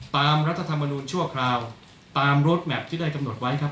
ตามรัฐธรรมนุนชั่วคราวตามโรทแมพที่ได้กระทั่ว